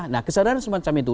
nah kesadaran semacam itu